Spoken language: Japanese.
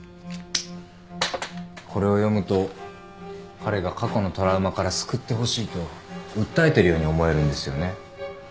これを読むと彼が過去のトラウマから救ってほしいと訴えてるように思えるんですよね。